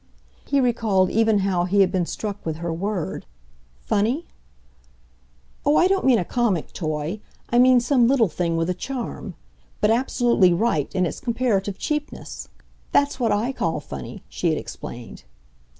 He recalled even how he had been struck with her word. "'Funny'?" "Oh, I don't mean a comic toy I mean some little thing with a charm. But absolutely RIGHT, in its comparative cheapness. That's what I call funny," she had explained.